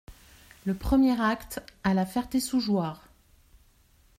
Le premier acte, à La Ferté-sous-Jouarre.